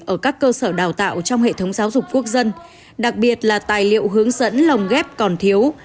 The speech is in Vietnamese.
ở các cơ sở đào tạo trong hệ thống giáo dục quốc dân đặc biệt là tài liệu hướng dẫn lồng ghép còn thiếu